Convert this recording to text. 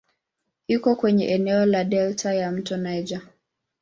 Iko kwenye eneo la delta ya "mto Niger".